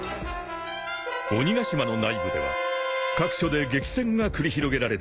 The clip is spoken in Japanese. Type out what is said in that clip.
［鬼ヶ島の内部では各所で激戦が繰り広げられていた］